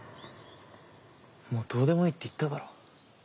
もうどうでもいいって言っただろ。